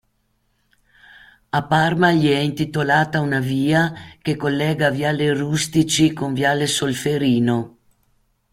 A Parma gli è intitolata una via che collega viale Rustici con viale Solferino.